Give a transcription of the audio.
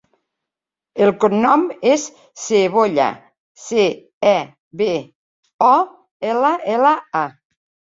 El cognom és Cebolla: ce, e, be, o, ela, ela, a.